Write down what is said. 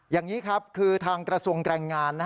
อย่างนี้ครับคือทางกระทรวงแรงงาน